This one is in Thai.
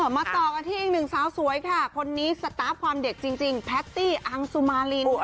มาต่อกันที่อีกหนึ่งสาวสวยค่ะคนนี้สตาร์ฟความเด็กจริงแพตตี้อังสุมาริน